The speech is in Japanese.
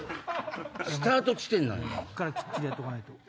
こっからきっちりやっとかないと。